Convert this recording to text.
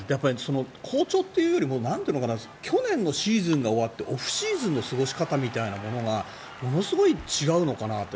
好調というよりも去年のシーズンが終わってオフシーズンの過ごし方みたいなものがものすごい違うのかなって。